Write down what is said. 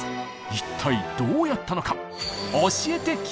一体どうやったのか？